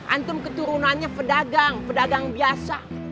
antum keturunannya pedagang pedagang biasa